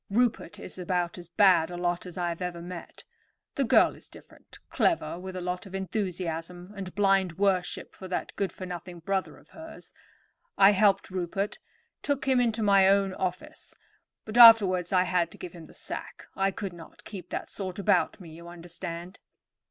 Rupert is about as bad a lot as I have ever met. The girl is different; clever, with a lot of enthusiasm and blind worship for that good for nothing brother of hers. I helped Rupert, took him into my own office; but afterwards I had to give him the sack. I could not keep that sort about me, you understand."